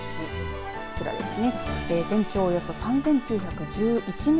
こちらですね。